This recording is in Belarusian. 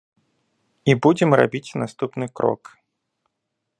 І будзем рабіць наступны крок.